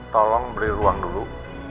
tolong beri ruang dulu